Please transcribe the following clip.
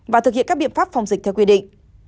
và thực hiện các biện pháp phòng dịch theo quy định